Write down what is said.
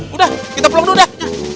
udah kita pulang dulu deh